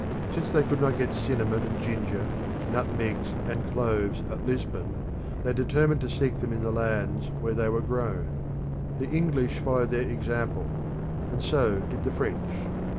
Since they could not get cinnamon and ginger, nutmegs and cloves at Lisbon, they determined to seek them in the lands where they were grown. The English followed their example, and so did the French.